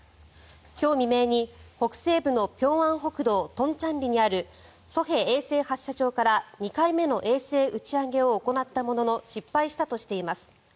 今日未明に北西部の平安北道東倉里にある西海衛星発射場から２回目の衛星打ち上げを行ったものの失敗したとしています。